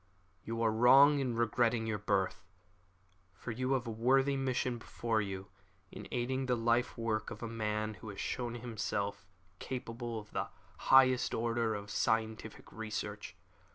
"You are wrong in regretting your birth, for you have a worthy mission before you in aiding the life work of a man who has shown himself capable of the highest order of scientific research.